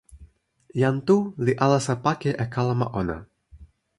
jan Tu li alasa pake e kalama ona.